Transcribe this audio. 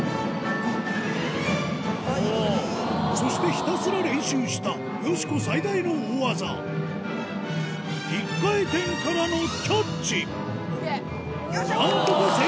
そしてひたすら練習したよしこ最大の大技１回転からのキャッチいけ！